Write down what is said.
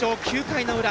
９回の裏。